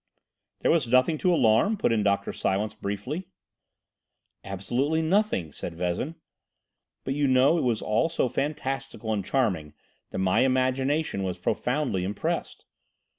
"There was nothing to alarm?" put in Dr. Silence briefly. "Absolutely nothing," said Vezin; "but you know it was all so fantastical and charming that my imagination was profoundly impressed.